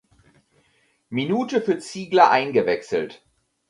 Minute für Ziegler eingewechselt.